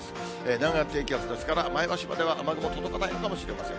南岸低気圧ですから、前橋までは雨雲届かないかもしれません。